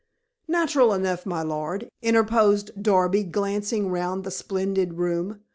"Natural enough, my lord," interposed Darby, glancing round the splendid room.